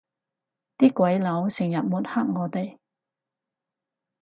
啲鬼佬成日抹黑我哋